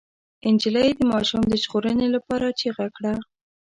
نجلۍ د ماشوم د ژغورنې لپاره چيغه کړه.